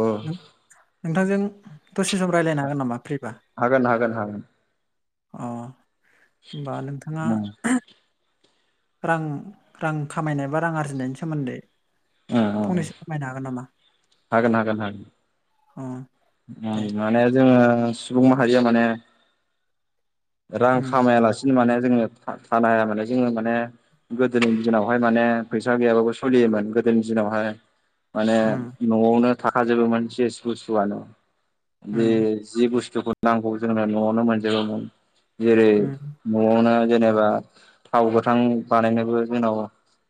औ नोंथांजों दसे सम रायज्लायनो हागोन नामा फ्रिबा? हागोन हागोन हागोन अ होनबा नोंथाङा उम रां रां खामायनाय बा रां आरजिनायनि सोमोन्दै उम उम फंनैसो फोरमायनो हागोन नामा? हागोन हागोन हागोन अ ओं दे माने जोङो सुबुं माहारिया माने रां उम खामायालासिनो माने जोङो था थानो हाया माने जोङो माने गोदोनि दिनावहाय माने फैसा गैयाबाबो सलियोमोन गोदोनि दिनावहाय माने उम नआवनो थाखाजोबोमोन जेस बुस्थुयानो बे उम जि बुस्थुखौ नांगौ जोंनो नआवनो मोनजोबोमोन जेरै उम नआवनो जेनेबा थाव गोथां बानायनोबो जोनाव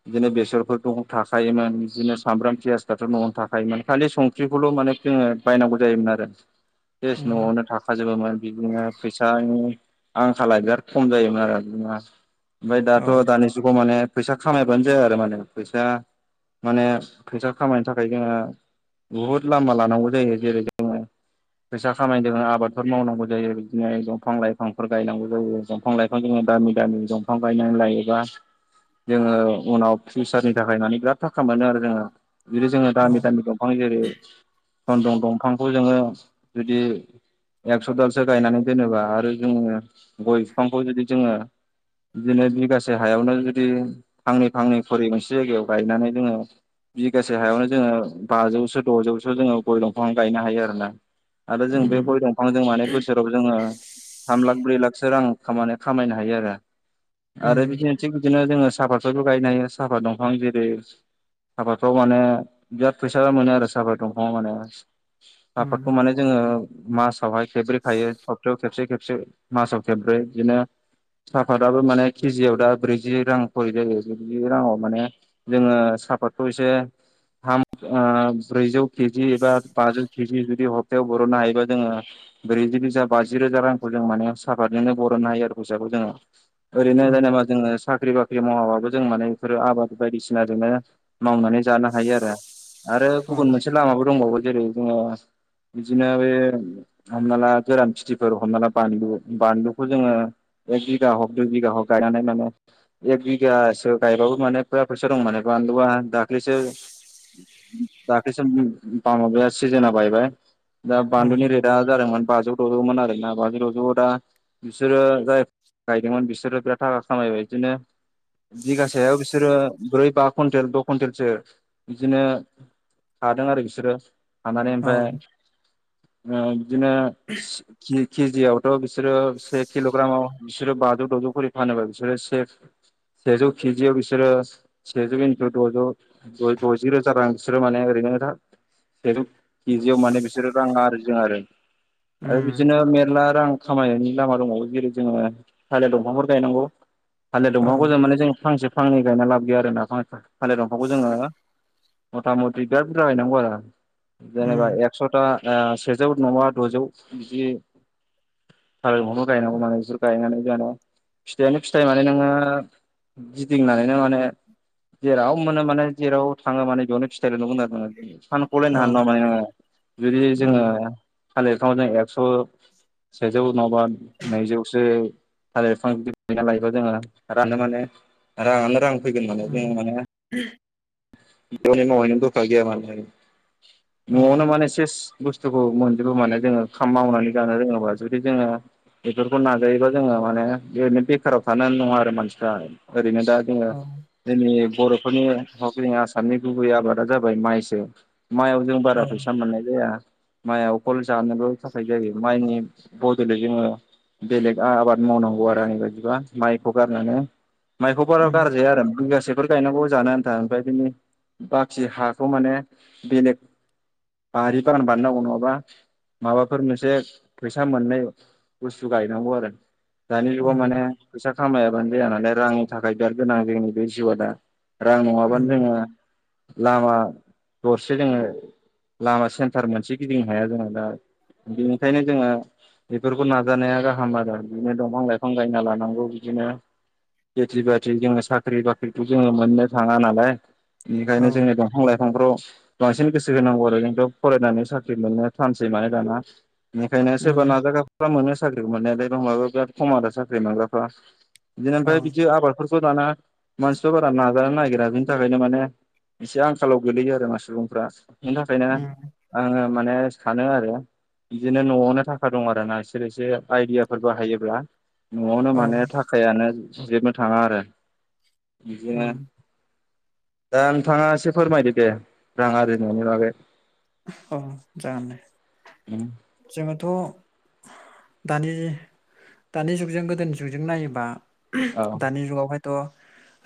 बिदिनो बेसरफोर दं थाखायोमोन बिदिनो सामब्राम पियास फ्राथ नआवनो थाखायोमोन खालि संख्रिखौल मोन [unintelligible] जोङो बायनांगौ जायोमोन आरो बेस उम नआवनो थाखाजोबोमोन बिदिनो फैसानि आंखाला बिराद खम जायोमोन आरो बिदिनो ओमफाय औ दाथ दानि जुगाव माने फैसा खामायबानो जाया आरो माने फैसा माने फैसा खामायनो थाखाय जोङो बुहुद लामा लानांगौ जायो जेरै [inaudible] फैसा खामानो जोङो आबादफोर मावनांगौ जायो बिदिनो दंफां लाइफांफोर गायनांगौ जायो दंफां लाइफां जोङो दामि दामि दंफां गायनानै लायोबा जोङो उनाव फिउसारनि थाखाय मानि बिराद थाखा मोनो आरो जोङो जुदि जोङो औ दामि दामि दंफां जेरै सन्दन दंफांखौ जोङो जुदि एकस दालसो गायनानै दोनोबा आरो जोङो गय फिफांखौ जुदि जोङो बिदिनो बिगासे हायावनो जुदि फांनै फांनै खरि मोनसे जायगायाव गायनानै दोनो बिगासे हायावनो जोङो बाजौसो दजौसो जोङो गय दंफां गायनो हायो आरोना आरो जों बे उम गय दंफांजों माने बोसोराव जोङो थाम लाख ब्रै लाख सोराव खामानो खामायनो हायो आरो आरो उम बिखिनो थिग बिदिनो जोङो साफातफोरबो गायनो हायो साफात दंफां जेरै साफातफ्राव माने बिराद फैसा मोनो आरो साफात दंफाङाव माने उम साफातखौ माने जोङो मासावहाय खेब्रै खायो सप्तायाव खेबसे खेबसे मासाव खेब्रै बिदिनो साहापातआबो माने केजियाव दा ब्रैजि रां खरि जायो ब्रैजि राङाव माने जोङो साहापातखौ एसे थाम ओ ब्रैजौ केजि बा बाजौ केजि जुदि हप्तायाव बरनो हायोबा जोङो ब्रैजि रोजा बाजि रोजा रांखौ जों माने साफात नोङो बरननो हायो आरो फैसाबो जोङो ओरैनो उम जेनेबा जोङो साख्रि बाख्रि मावाबाबो जों माने बेफोरो आबाद बायदिसिना जोंनो मावनानै जानो हायो आरो आरो औ गुबुन मोनसे लामाबो दंबावो जेरै जोङो बिदिनो बे खामना लाया गोरान खिथिफोर हमना ला बानलु बानलुखौ जोङो एक बिगा हक दुइ बिगा हक गाय माने माने एक बिगासो गायबाबो माने फुरा फैसा दं माने बानलुआ दाख्लिसो दाख्लिसो ओम बामलुआ सिजोना बायबाय दा औ बानलुनि रेटआ जादोंमोन बाजौ दजौमोन आरोना बाजौ दजौआव दा बिसोरो जाय गायदोंमोन बिसोरो बिराद थाखा खामायबाय बिदिनो बिगासेयाव बिसोरो ब्रै बा कुइन्टेल द कुइन्टेलसो बिदिनो हादों आरो बिसोरो हानानै औ ओमफाय ओ बिदिनो खि केजियावथ बिसोरो से किलग्रामाव बिसोरो बाजौ दजौ खरि फानोबा बिसोरो से सेजौ केजियाव बिसोरो सेजौ इन्टु दजौ दजि रोजा रां बिसोरो माने ओरै नोंथां सेजौ केजियाव माने बिसोरो रां आरजियो आरो आरो उम बिदिनो मेरला रां खामायनायनि लामा दंबावो जेरै जोङो थालिर दंफांफोर गायनांगौ थालिर औ दंफांखौ जों माने जों फांसे फांनै गायना लाब गैया आरो ना फाथ थालिर दंफांखौ जोङो मथा मथि बिराद बुरजा गायनांगौ आरो जेनेबा उम एकसथा सेजौ नङा दजौ बिदि थिलिर दंफांखौ गायनांगौ मानो बिसोर गायनानै जाना फिथायानो फिथाइ माने नोङो गिदिंनानैनो माने जेराव मोनो माने जेराव थाङो माने फिथाइल नुगोन आरो सान औ [unintelligible] जुदि जोङो उम थालिरफ्रावनो एक्स' सेजौ नङाबा नैजौसो थालिर बिफां जुदि गायना लायोबा जोङो राननो माने राङानो रां। फैगोन माने जोङो उम माने बेनि [unintelligible] दरखार गैया माने औ न'आवनो माने सेस बुस्थुखौ मोनजोबो माने जोङो खाम मावनानै जानो रोङोबा जुदि जोङो बेफोरखौ नाजायोबा जोङो माने ओरैनो बेखाराव थानानै नङा आरो मानसिफ्रा ओरैनो दा जोङो औ जोंनि बर'फोरनि [unintelligible] [unintelligible] आसामनि गुबै आबादा जाबाय माइसो माइयाव जों बारा औ फैसा मोननाय जाया। माइआ अकल जानोल थाखाय जायो माइनि बदलै जोङो बेलेग आबाद मावनांगौ आरो आंनि बायदिबा माइखौ गारनानै। माइखौबो उम गार्जाया आरो बिगासेफोर गायनांगौ जानो आन्था ओमफ्राय बिनि बाखि हाखौ माने बेलेग बारि बागान बानायनांगौ नङाबा माबाफोर मोनसे फैसा मोननाय बुस्थु गायनांगौ आरो। दानि जुगाव माने उम फैसा खामायाबानो जाया नालाय रांनि थाखाय बिराद गोनां जोंनि बे जिउआ दा। रां नङाबानो उम जोङो लामा दरसे जोङो लामा सेन्टार मोनसे गिदिंनो हाया जोङो दा बेनिखायनो जोङो बेफोरखौ नाजानाया गाहाम आरो बिदिनो दंफां लाइफां गायना लानांगौ बिदिनो खेथि बाथि जोङो साख्रि बाख्रिखौ जोङो मोननो थाङा नालाय औ बेनिखायनो जोंनि दंफां लाइफां आबादफ्राव बांसिन गोसो होनांगौ आरो जोंथ फरायनानै साख्रि मोननो थानसै माने दाना। बेनिखायनो सोरबा उम नाजाग्राफ्रा मोनो साख्रिखौ मोननायालाय दंबाबो बिराद खम आरो साख्रि मोनग्राफ्रा। बिदिनो औ ओमफ्राय बिदि आबादफोरखौ दाना मानसिफ्रा बारा नाजानो नागिरा बिनि थाखायनो माने एसे आंखालाव गोगलैयो आरो मा सुबुंफ्रा बेनि थाखायनो उम आङो माने सानो आरो बिदिनो न'आवनो थाखा दं आरो ना बिसोर एसे आइदियाफोर हायोब्ला। न'आवनो औ माने थाखायानो जोबनो थाङा आरो बिदिनो उम दा नोंथाङा एसे फोरमायदो दे रां आरजिनायनि बागै औ जागोन दे। जोङोथ' दानि दानि जुगजों गोदोनि जुगजों नायोबा औ दानि जुगावहायथ'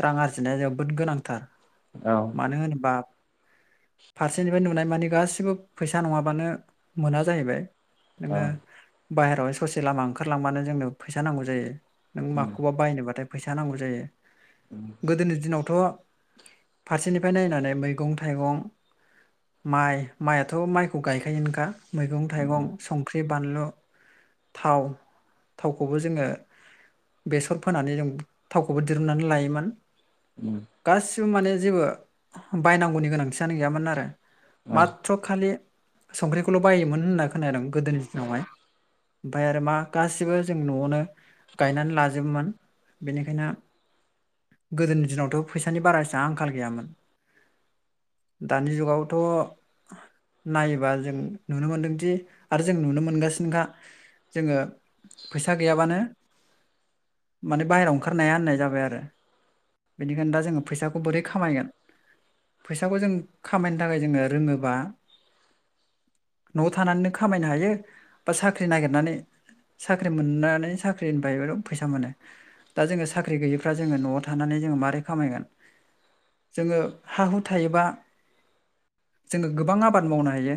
रां आरजिनाया जोबोद गोनांथार। औ मानो होनोबा फारसेनिफ्राय नुनाय मानि गासिबो फैसा नङाबानो मोना जाहैबाय। नोङो बाहेरायावहाय ससे लामा ओंखारलांबानो जोंनो फैसा नांगौ जायो। नों औ माखौबा बायनोबाथाय फैसा नांगौ जायो। गोदोनि दिनाव थ' फारसेनिफ्राय नायनानै मैगं थाइगं माइ माइआथ' माइखौ गायखायो नखा मैगं- थाइगं संख्रि बानलु थाव थावखौबो जोङो बेसर फोनानै जों थावखौबो दिहुननानै लायोमोन। उम। गासिबो माने जेबो बायनांगौनि गोनांथियानो गैयामोन आरो माथ्र' खालि संख्रिखौल' बायोमोन होनना खोनादों गोदोनि दिनावहाय। ओमफ्राय आरो मा गासिबो जों न'आवनो गायनानै लाजोबोमोन बेनिखायनो गोदोनि दिनावथ' फैसानि बारा एसां आंखाल गैयामोन। दानि जुगावथ' नायोबा जों नुनो मोनदोंदि आरो जों नुनो मोनगासिनोखा जोङो फैसा गैयाबानो माने बाहेरायाव ओंखारनो हाया होननाय जाबाय आरो। बेनिखायनो दा जोङो फैसाखौ बोरै खामायगोन? फैसाखौ जों खामायनो थाखाय जोङो रोङोबा न'आव थानानै खामायनो हायो बा साख्रि नागिरनानै। साख्रि मोननानै साख्रिनिफ्राय फैसा मोनो दा जोङो साख्रि गैयिफ्रा जोङो न'आव थानानै जोङो मारै खामायगोन जोङो हा हु थायोबा जोङो गोबां आबाद मावनो हायो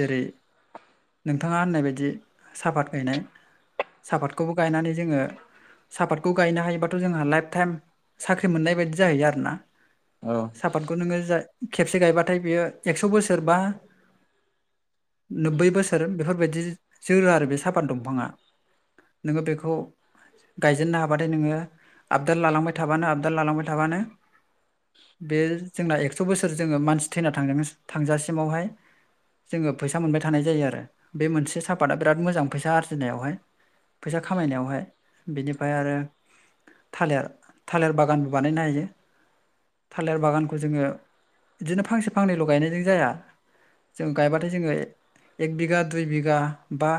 जेरै नोंथाङा होननाय बायदि सापात गायनाय सापातखौबो गायनानै जोङो सापातखौ गायनो हायोबाथ' जोंहा लाइफ टाइम साख्रि मोननाय बायदि जाहैयो आरोना औ सापातखौ नोङो जा खेबसे गायबाथाय बियो एक्स' बोसोरबा नोब्बै बोसोर बेफोरबायदि जोरो आरो बे सापात दंफाङा नोङो बेखौ गायजेननो हाबाथाय नोङो आबदाल लालांबाय थाबानो आबदाल लालांबाय थाबानो बे जोंना एकस' बोसोर जोङो मानसि थैना थां थांजासिमावहाय जोङो फैसा मोनबाय थानाय जायो आरो बे मोनसे सापाादा बिराद मोजां फैसा आर्जिनायावहाय फैसा खामायनायावहाय बिनिफ्राय आरो थालेर थालेर बागानबो बानायनो हायो थालेर बागानखौ जोङो बिदिनो फांसे फांनैल' गायनायजों जाया जों गायबाथाय जोङो एक बिगा दुइ बिगा बा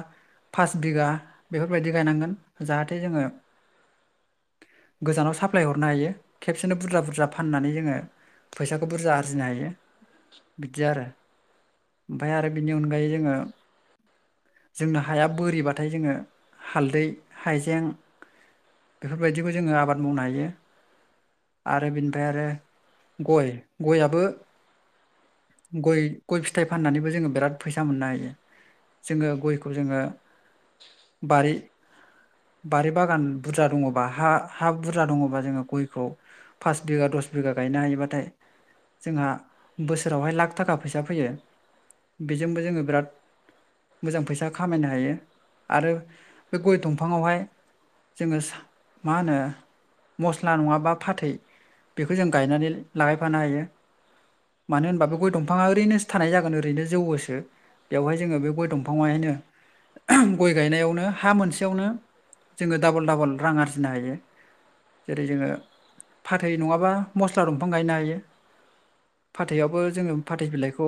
फास बिघा बेफोरबायदि गायनांगोन जाहाथे जोङो गोजानाव साप्लाय हरनो हायो खेबसेनो बुरजा बुरजा फाननानै जोङो फैसाखौ बुरजा आरजिनो हायो बिदि आरो ओमफ्राय आरो बिनि अनगायै जोङो जोंनो हाया बोरिबाथाय जोङो हालदै हाइजें बेफोरबायदिखौ जोङो आबाद मावनो हायो आरो बेनिफ्राय आरो गय गयाबो गय गय फिथाइ फाननानैबो जोङो बिराद फैसा मोननो हायो जोङो गयखौ जोङो बारि बारि बागान बुरजा दङबा हा हा बुरजा दङबा जोङो गयखौ फास बिघा द दस बिघा गायनो हायोबाथाय जोंहा बोसोरावहाय लाख थाखा फैसा फैयो बेजोंबो जोङो बिराद मोजां फैसा खामायनो हायो आरो बे गय दंफाङावहाय जोङो सा मा होनो मस्ला नङाबा फाथै बेखौ जों गायनानै लागायफानो हायो मानो होनबा बे गय दफाङा ओरैनोसो थानाय जागोन ओरैनो जौवोसो बेवहाय जोङो बे गय दंफाङाहायनो गय गायनायावनो हा मोनसेयावनो जोङो डाबल डाबल रां आरजिनो हायो जेरै जोङो फाथै नङाबा मस्ला दंफां गायनो हायो फाथैयावबो जोङो फाथै बिलाइखौ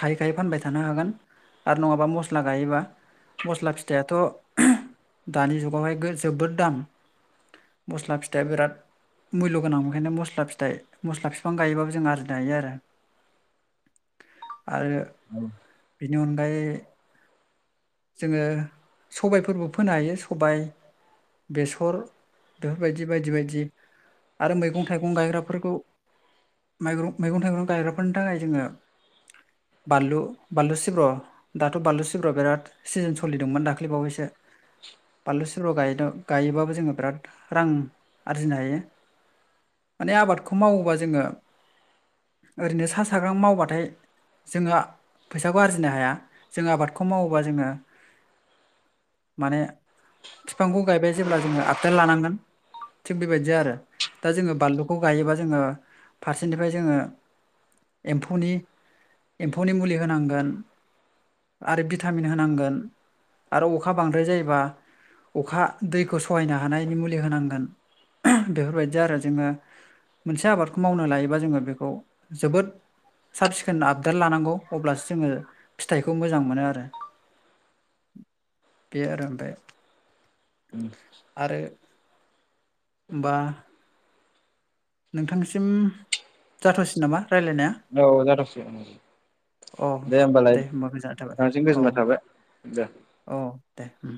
खायै खायै फानबाय थानो हागोन आरो नङाबा मस्ला गायोबा मस्ला फिथायाथ' दानि जुगावहाय जोबोद दाम मस्ला फिथाइया बिराद मुल्य' गोनां बेखायनो मस्ला फिथाइ मस्ला बिफां गायोबाबो जों आरजिनो हायो आरो [inaudible] आरो बेनि अनगायै जोङो सबायफोरबो फोनो हायो सबाय बेसर बेफोरबायदि बायदि बायदि आरो मैगं थाइगं गायग्राफोरखौ माइगं मैगं थाइगं गायग्राफोरनि थाखाय जोङो [unintelligible] बानलु बानलु सिब्र' दाथ' बानलु सिब्र' बिराद सिजोन सलिदोंमोन दाख्लै बावैसो। बानलु सि। सोरबा गायदों गायोबाबो जोङो बिराद रां आरजिनो हायो। माने आबादखौ मावोबा जोङो ओरैनो साहा साग्रां मावबाथाय। जोङो फैसाखौ आरजिनो हाया जों आबादखौ मावोबा जोङो। माने बिफांखौ गायबाय जेब्ला जोङो आपटेल लानांगोन। थिग बेबायदि आरो दा जोङो बानलुखौ गायोबा जोङो फारसेनिफ्राय जोङो। एम्फौनि एम्फौनि मुलि होनांगोन। आरो भिटामिन होनांगोन आरो अखा बांद्राय जायोबा। अखा दैखौ सहायनो हानायनि मुलि होनांगोन बेफोरबायदि आरो जोङो। मोनसे आबादखौ मावनो लायोबा जोङो बेखौ जोबोद। साब सिखोन आबदार लानांगौ अब्लासो जोङो फिथाइखौ मोजां मोनो आरो। बे आरो आमफाय। उम। बा। नोंथांसिम जाथावसिन नामा। रायलायनाया औ-औ जाथ'सिगोन औ। अ दे होमबा गोजानायथाबाय औ गोजोननाय थाबाय दे अ दे। उम।